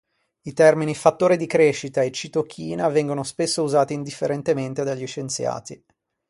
I termini Fattore di crescita e Citochina vengono spesso usati indifferentemente dagli scienziati.